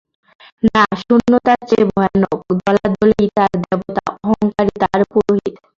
না, শূন্যতার চেয়ে ভয়ানক– দলাদলিই তার দেবতা, অহংকারই তার পুরোহিত।